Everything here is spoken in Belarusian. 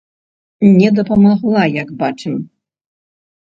Не дапамагла, як бачым.